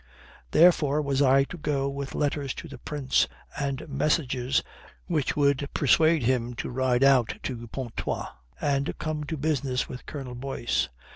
Therefore was I to go with letters to the Prince, and messages which should persuade him to ride out to Pontoise and come to business with Colonel Boyce.